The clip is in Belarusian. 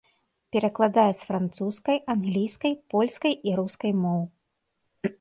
Перакладае з французскай, англійскай, польскай і рускай моў.